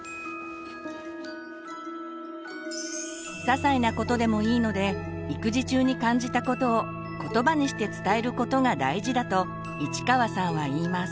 ささいなことでもいいので育児中に感じたことをことばにして伝えることが大事だと市川さんは言います。